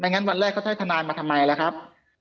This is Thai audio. งั้นวันแรกเขาจะให้ทนายมาทำไมล่ะครับ